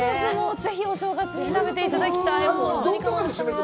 ぜひお正月に食べていただきたい。